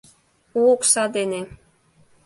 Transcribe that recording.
У окса дене.